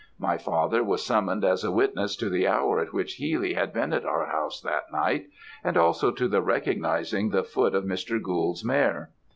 My father was summoned as a witness to the hour at which Healy had been at our house that night, and also to the recognising the foot of Mr. Gould's mare.